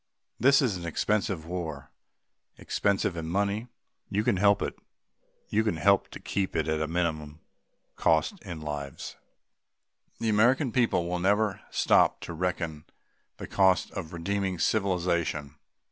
This is an expensive war expensive in money; you can help it you can help to keep it at a minimum cost in lives. The American people will never stop to reckon the cost of redeeming civilization.